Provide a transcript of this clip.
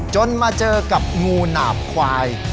มาเจอกับงูหนาบควาย